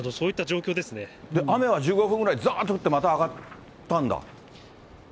じゃあ、雨は１５分ぐらい、ざーっと降って、また上がったんだ？